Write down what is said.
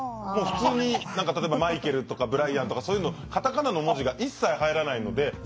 もう普通に何か例えばマイケルとかブライアンとかそういうのカタカナの文字が一切入らないので。